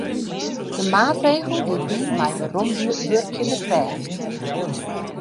De maatregel giet yn mei weromwurkjende krêft.